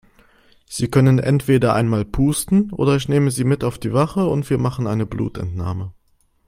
Sie können entweder einmal pusten oder ich nehme Sie mit auf die Wache und wir machen eine Blutentnahme.